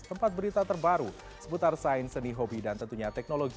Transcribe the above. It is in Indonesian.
empat berita terbaru seputar sains seni hobi dan tentunya teknologi